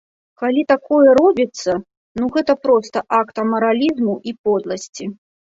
Калі такое робіцца, ну гэта проста акт амаралізму і подласці.